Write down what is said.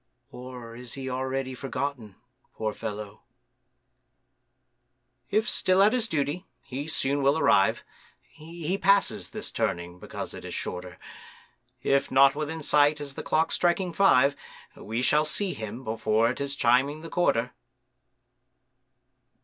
Or is he already forgotten, poor fellow? If still at his duty, he soon will arrive,— He passes this turning, because it is shorter,— If not within sight as the clock's striking five, We shall see him before it is chiming the quarter.